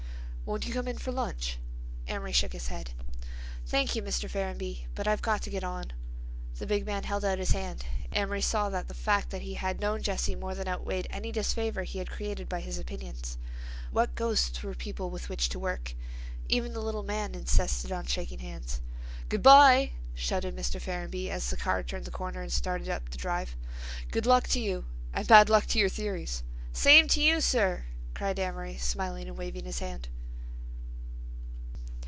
"Won't you come in for lunch?" Amory shook his head. "Thank you, Mr. Ferrenby, but I've got to get on." The big man held out his hand. Amory saw that the fact that he had known Jesse more than outweighed any disfavor he had created by his opinions. What ghosts were people with which to work! Even the little man insisted on shaking hands. "Good by!" shouted Mr. Ferrenby, as the car turned the corner and started up the drive. "Good luck to you and bad luck to your theories." "Same to you, sir," cried Amory, smiling and waving his hand.